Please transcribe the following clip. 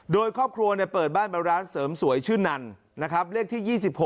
โดยครอบครัวเปิดบ้านเป็นร้านเสริมสวยชื่อนันนะครับเลขที่๒๖